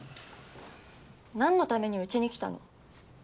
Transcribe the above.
なんのためにうちに来たの？